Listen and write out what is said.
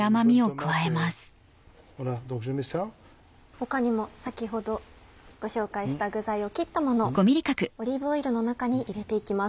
他にも先ほどご紹介した具材を切ったものをオリーブオイルの中に入れて行きます。